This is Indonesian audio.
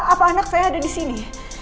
apa anak saya ada disini